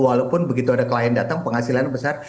walaupun begitu ada klien datang penghasilannya besar